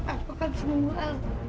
apa kan semua